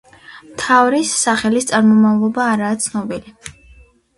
მთავრის სახელის წარმომავლობა არაა ცნობილი.